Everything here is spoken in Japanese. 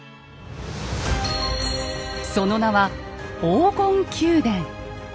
その名は「黄金宮殿」。